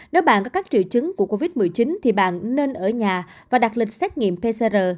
nếu bạn có các triệu chứng của covid một mươi chín thì bạn nên ở nhà và đặt lịch xét nghiệm pcr